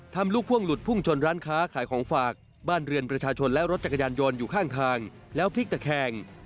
ลูกพ่วงหลุดพุ่งชนร้านค้าขายของฝากบ้านเรือนประชาชนและรถจักรยานยนต์อยู่ข้างทางแล้วพลิกตะแคง